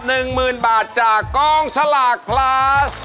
หนึ่งหมื่นบาทจากกองสลากพลัส